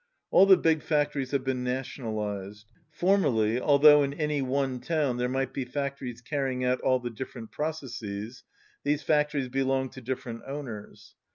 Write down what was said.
All the big factories have been nationalized. Formerly, although in any one town there might be factories carrying out all the different processes, these factories belonged to different owners.